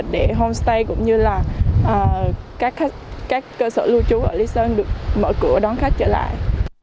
để homestay cũng như là các cơ sở lưu trú ở lý sơn được mở cửa đón khách trở lại